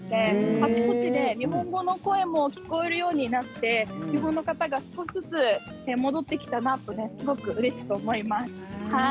あちこち日本語の声も聞こえるようになって日本の方が少しずつ戻ってきたなと、すごくうれしく思います。